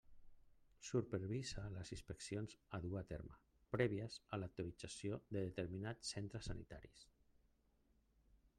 Supervisa les inspeccions a dur a terme, prèvies a l'autorització de determinats centres sanitaris.